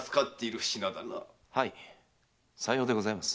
はいさようでございます。